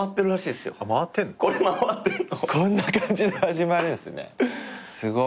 こんな感じで始まるんすね。